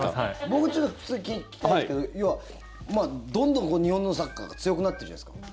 僕、ちょっと聞きたいんですけどどんどん日本のサッカーが強くなってるじゃないですか。